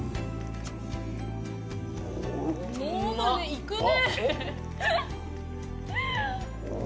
いくね。